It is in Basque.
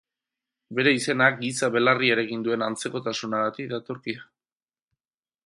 Bere izena, giza belarriarekin duen antzekotasunagatik datorkio.